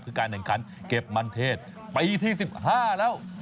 คือการแข่งขันเก็บมันเทศปีที่๑๕แล้ว